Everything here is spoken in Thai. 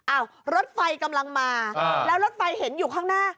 รถไฟกำลังมาแล้วรถไฟเห็นอยู่ข้างหน้า